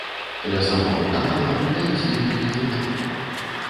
Ля самога канала гуляюць некалькі дзяўчат.